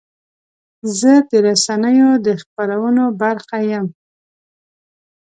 زه د رسنیو د خپرونو برخه یم.